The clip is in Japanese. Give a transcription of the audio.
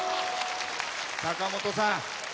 坂本さん